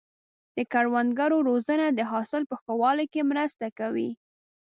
د کروندګرو روزنه د حاصل په ښه والي کې مرسته کوي.